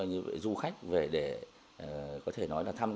cũng như phát triển văn hóa tâm linh